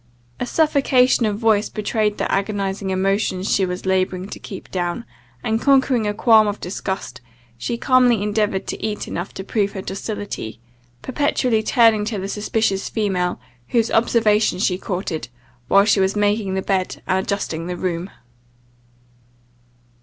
A suffocation of voice betrayed the agonizing emotions she was labouring to keep down; and conquering a qualm of disgust, she calmly endeavoured to eat enough to prove her docility, perpetually turning to the suspicious female, whose observation she courted, while she was making the bed and adjusting the room.